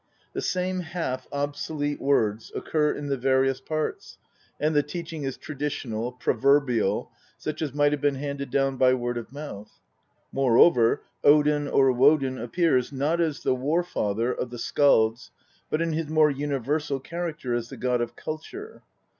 The same half obsolete words occur in the various parts, and the teaching is traditional, proverbial, such as might have been handed down by word of mouth. Moreover, Odin or Woden appears, not as the War father of the Skalds, but in his more universal character as the god of culture.